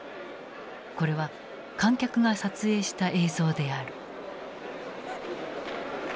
これは観客が撮影した映像である。